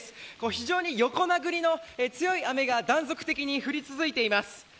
非常に横殴りの強い雨が断続的に降り続いています。